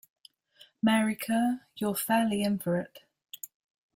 Mary Kerr, you’re fairly in for it.